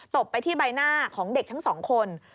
บไปที่ใบหน้าของเด็กทั้งสองคน